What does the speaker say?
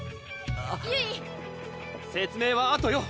・説明はあとよ！